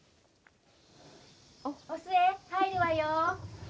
お寿恵、入るわよ。